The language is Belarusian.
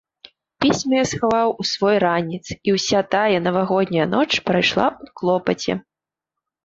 Пісьмы я схаваў у свой ранец, і ўся тая навагодняя ноч прайшла ў клопаце.